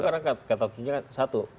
itu karena katanya kan satu